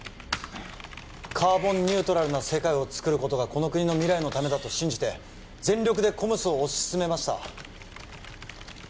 カーボンニュートラルな世界をつくることがこの国の未来のためだと信じて全力でＣＯＭＳを推し進めました